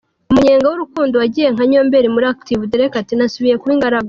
Umunyenga w’urukundo wagiye nka nyomberi muri Active: Derek ati “ Nasubiye kuba ingaragu!”.